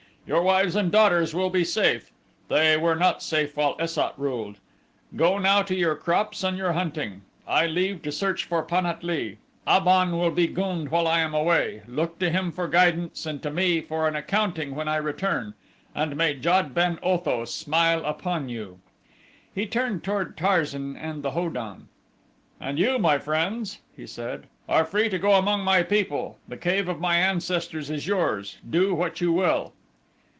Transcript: "Your wives and daughters will be safe they were not safe while Es sat ruled. Go now to your crops and your hunting. I leave to search for Pan at lee. Ab on will be gund while I am away look to him for guidance and to me for an accounting when I return and may Jad ben Otho smile upon you." He turned toward Tarzan and the Ho don. "And you, my friends," he said, "are free to go among my people; the cave of my ancestors is yours, do what you will."